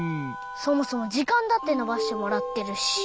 そもそもじかんだってのばしてもらってるし。